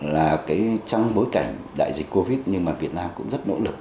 là trong bối cảnh đại dịch covid nhưng mà việt nam cũng rất nỗ lực